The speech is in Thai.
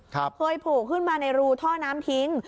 เคยโผล่ขึ้นมาในรูท่อน้ำทิ้ง